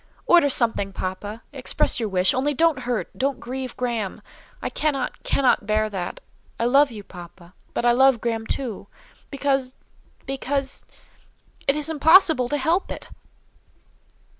"Order something, papa; express your wish; only don't hurt, don't grieve Graham. I cannot, cannot bear that. I love you, papa; but I love Graham too—because—because—it is impossible to help it."